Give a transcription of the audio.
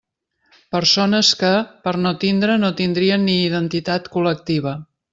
Persones que, per no tindre no tindrien ni identitat col·lectiva.